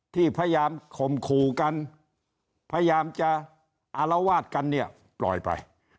ที่พยายามข่มขู่กันพยายามจะอารวาสกันเนี่ยปล่อยไป